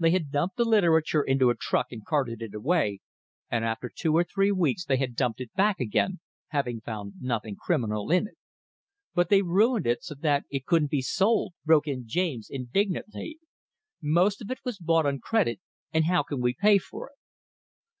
They had dumped the literature into a truck and carted it away, and after two or three weeks they had dumped it back again, having found nothing criminal in it. "But they ruined it so that it can't be sold!" broke in James, indignantly. "Most of it was bought on credit, and how can we pay for it."